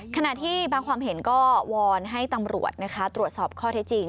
ขณะที่บางความเห็นก็วอนให้ตำรวจตรวจสอบข้อเท็จจริง